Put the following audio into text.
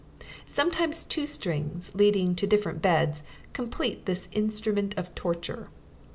Sometimes two strings, leading to different beds, complete this instrument of torture.